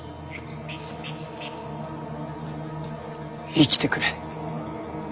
生きてくれ。